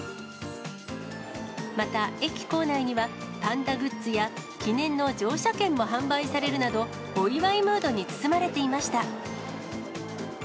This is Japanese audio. また、駅構内には、パンダグッズや、記念の乗車券も販売されるなど、お祝いムードに包まれていました。